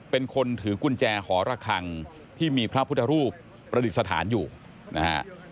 เป็นคนถือกุญแจหอระคังที่มีพระพุทธรูปประดิษฐานอยู่นะฮะ